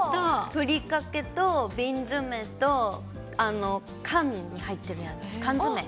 ふりかけと瓶詰と、缶に入ってるやつ、缶詰。